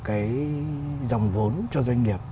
cái dòng vốn cho doanh nghiệp